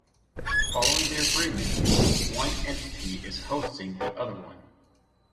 Following the agreement, one entity is hosting the other one.